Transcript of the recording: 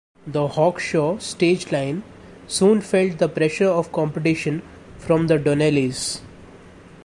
The Hawkshaw stage line soon felt the pressure of competition from the Donnellys.